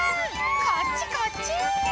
こっちこっち！